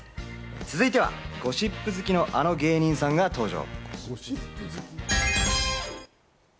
続いてはゴシップ好きの、あの芸人さんが登場。